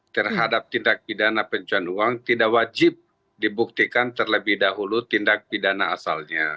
terhadap tindak pidana pencuan uang tidak wajib dibuktikan terlebih dahulu tindak pidana asalnya